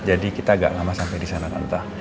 jadi kita agak lama sampai disana tante